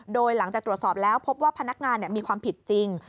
โดยหลังจากตรวจสอบแล้วพบว่าพนักงานมีความผิดจริง